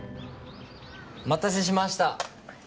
お待たせしました。